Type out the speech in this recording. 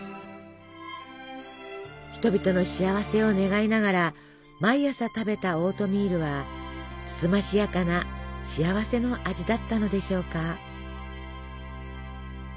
人々の幸せを願いながら毎朝食べたオートミールはつつましやかな幸せの味だったのでしょうか。